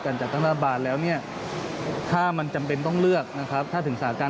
จัดตั้งรัฐบาลแล้วเนี่ยถ้ามันจำเป็นต้องเลือกนะครับถ้าถึงสาการ